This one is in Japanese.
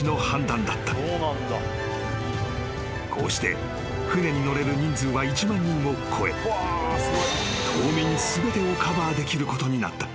［こうして船に乗れる人数は１万人を超え島民全てをカバーできることになった］